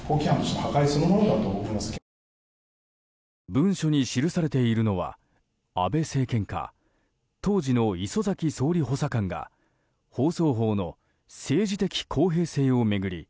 文書に記されているのは安倍政権下当時の礒崎総理補佐官が放送法の政治的公平性を巡り